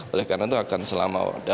oleh karena itu akan selama